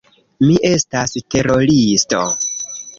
Mi estas teroristo.